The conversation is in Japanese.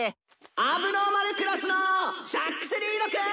「問題児クラスのシャックス・リードくん！」。